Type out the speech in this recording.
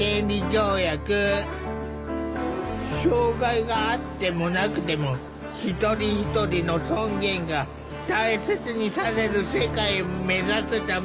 障害があってもなくても一人一人の尊厳が大切にされる世界を目指すための条約。